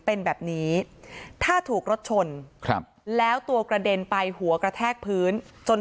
เป็นแบบนี้ถ้าถูกรถชนครับแล้วตัวกระเด็นไปหัวกระแทกพื้นจน